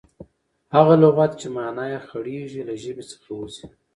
هغه لغت، چي مانا ئې خړېږي، له ژبي څخه وځي.